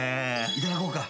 いただこうか。